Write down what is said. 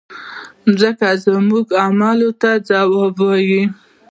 مځکه زموږ اعمالو ته ځواب وایي.